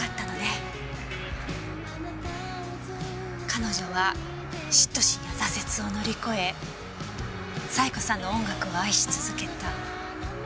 彼女は嫉妬心や挫折を乗り越え冴子さんの音楽を愛し続けた。